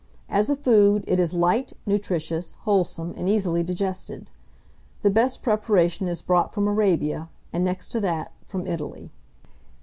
As a food, it is light, nutritious, wholesome, and easily digested. The best preparation is brought from Arabia, and, next to that, from Italy.